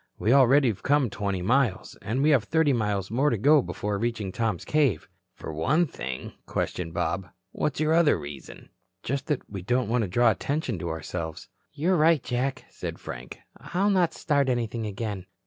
We already have come twenty miles, and we have thirty miles more to go before reaching Tom's cave." "For one thing?" questioned Bob. "What's your other reason?" "Just that we don't want to draw attention to ourselves." "You're right, Jack," said Frank. "I'll not start anything again."